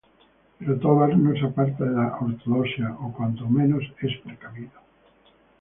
Pero Tovar no se aparta de la ortodoxia o, cuando menos, es precavido.